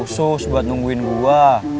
khusus buat nungguin gue